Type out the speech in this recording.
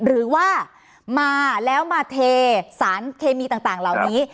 หรือว่ามาแล้วมาเทสารเคมีต่างเหล่านี้